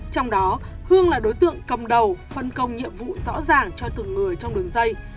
trong đó hương là đối tượng cầm đầu phân công nhiệm vụ rõ ràng cho từng người trong đường dây